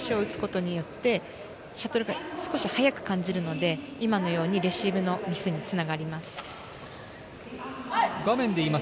スマッシュを打つことによってシャトルが少し速く感じるので、今のようにレシーブのミスに繋がります。